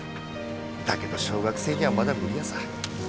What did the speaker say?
だけど小学生にはまだ無理ヤサ。